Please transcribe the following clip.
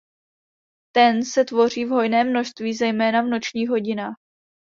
Ten se tvoří v hojném množství zejména v nočních hodinách.